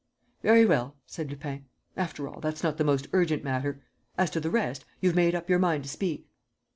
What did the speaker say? "Very well," said Lupin. "After all, that's not the most urgent matter. As to the rest, you've made up your mind to speak?"